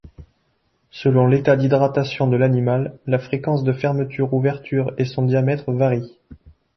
Selon l'état d'hydratation de l'animal, la fréquence de fermeture-ouverture et son diamètre varient.